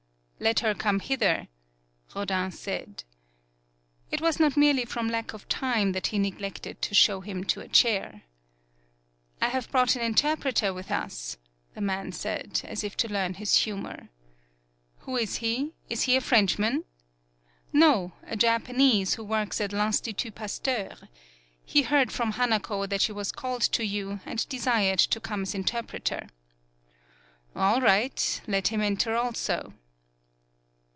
"Let her come hither," Rodin said. It was not merely from lack of time that he neglected to show him to a chair. "I have brought an interpreter with us," the man said, as if to learn his humor. "Who is he? Is he a Frenchman?" "No, a Japanese who works at L'ln stitut Pasteur. He heard from Hanako that she was called to you, and desired to come as interpreter." "All right. Let him enter also."